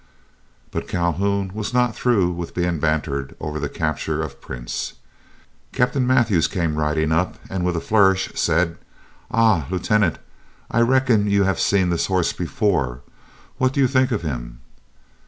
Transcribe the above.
But Calhoun was not through with being bantered over the capture of Prince. Captain Mathews came riding up and with a flourish said: "Ah! Lieutenant, I reckon you have seen this hoss before; what do you think of him?"